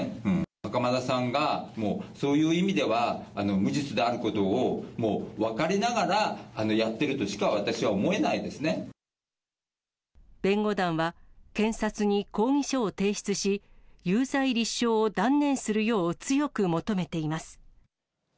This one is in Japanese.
袴田さんが、もうそういう意味では、無実であることをもう分かりながらやってるとしか、私は思えない弁護団は検察に抗議書を提出し、有罪立証を断念するよう、強く求めています。